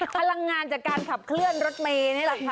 พลังงานจากการขับเคลื่อนรถเมย์นี่แหละค่ะ